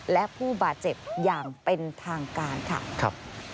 และผู้บาดเจ็บอย่างเป็นทางการค่ะ